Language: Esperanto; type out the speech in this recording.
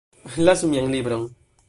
Lasu mian libron